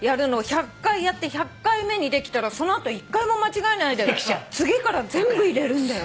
１００回やって１００回目にできたらその後１回も間違えないで次から全部入れるんだよ。